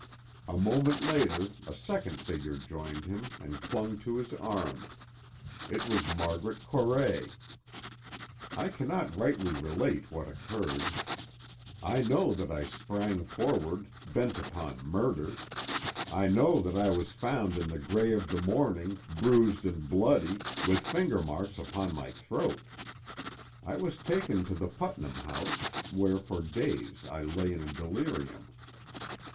A moment later a second figure joined him and clung to his arm. It was Margaret Corray! I cannot rightly relate what occurred. I know that I sprang forward, bent upon murder; I know that I was found in the gray of the morning, bruised and bloody, with finger marks upon my throat. I was taken to the Putnam House, where for days I lay in a delirium.